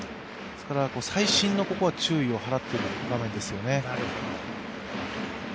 細心の注意を払っている場面ですよね。